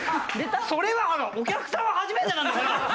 それはあのお客さんは初めてなんだから！